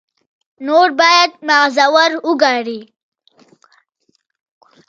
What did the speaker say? نور باید معذور وګڼي.